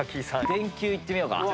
電球いってみようかな。